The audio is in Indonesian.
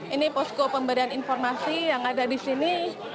ini posko pemberian informasi yang ada di sini